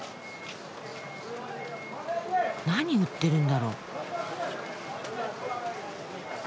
何売ってるんだろう？